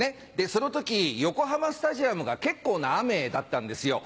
その時横浜スタジアムが結構な雨だったんですよ。